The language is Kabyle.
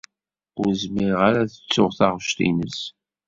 Ur zmireɣ ara ad ttuɣ taɣect-nnes.